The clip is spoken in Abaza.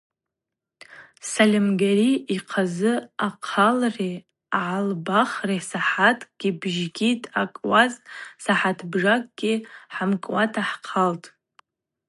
Сальымгьари йхъазы ахъалри агӏалбгӏахри сахӏаткӏи бжакӏи дъакӏуаз сахӏатбжакӏгьи хӏамкӏуата хӏхъалтӏ.